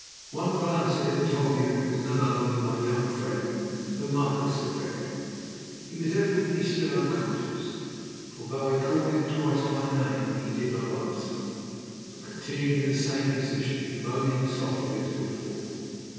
One glance at it told me that it was none other than my young friend the Marquis of Beckenham. He was evidently still unconscious, for though I called him twice by name, he did not answer, but continued in the same position, moaning softly as before.